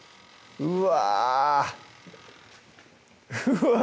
うわ